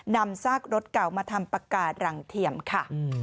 นำซากรถเก่ามาทำประกาศหลังเทียมค่ะ